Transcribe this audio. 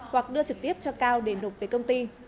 hoặc đưa trực tiếp cho cao để nộp về công ty